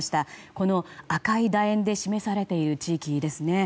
この赤い楕円で示されている地域ですね。